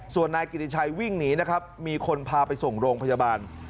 ส่วนนายกิติชัยวิ่งหนีนะครับมีคนพาไปส่งโรงพยาบาล